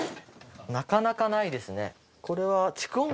なかなかないですね。